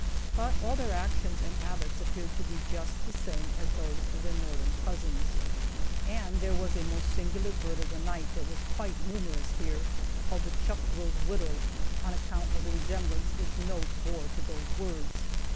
But all their actions and habits appeared to be just the same as those of their northern cousins. And there was a most singular bird of the night that was quite numerous here, called the "chuck will's widow," on account of the resemblance its note bore to those words.